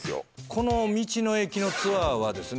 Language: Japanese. この道の駅のツアーはですね